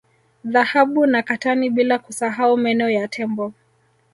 Dhahabu na katani bila kusahau meno ya Tembo